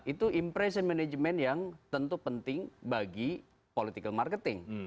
itu impression management yang tentu penting bagi political marketing